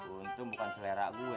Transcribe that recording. untung bukan selera gue